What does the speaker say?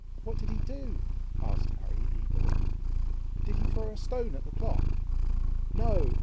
"What did he do?" asked Harry eagerly; "did he throw a stone at the clock?" "No!